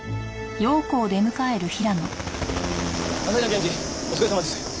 朝日奈検事お疲れさまです。